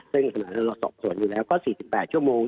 ซึ่งขณะนี้เราสอบสวนอยู่แล้วก็๔๘ชั่วโมง